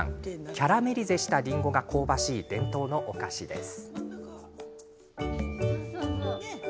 キャラメリゼしたりんごが香ばしい伝統のお菓子です。